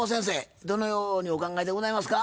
どのようにお考えでございますか？